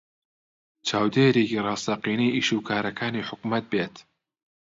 چاودێرێکی ڕاستەقینەی ئیشوکارەکانی حکوومەت بێت